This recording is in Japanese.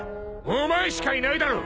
お前しかいないだろ！